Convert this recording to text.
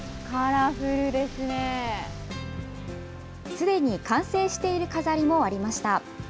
すでに完成している飾りもありました。